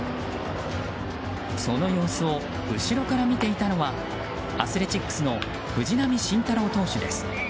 その様子を後ろから見ていたのはアスレチックスの藤浪晋太郎投手です。